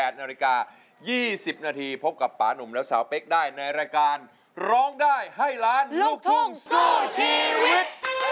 นาฬิกา๒๐นาทีพบกับป่านุ่มและสาวเป๊กได้ในรายการร้องได้ให้ล้านลูกทุ่งสู้ชีวิต